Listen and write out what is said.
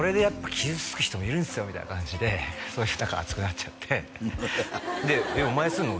「傷つく人もいるんすよ」みたいな感じでそういう何か熱くなっちゃってで「お前すんの？」